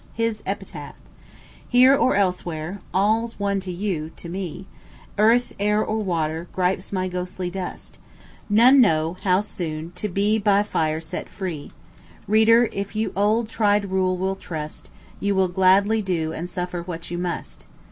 HIS EPITAPH. Here or elsewhere (all's one to you, to me) Earth, air, or water gripes my ghostly dust None know how soon to be by fire set free; Reader, if you an old tried rule will trust, you will gladly do and suffer what you must.